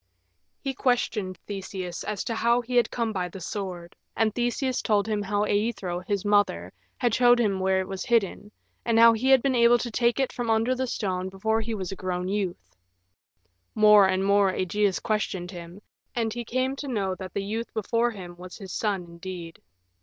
He questioned Theseus as to how he had come by the sword, and Theseus told him how Aethra his mother, had shown him where it was hidden, and how he had been able to take it from under the stone before he was grown a youth. More and more Ægeus questioned him, and he came to know that the youth before him was his son indeed.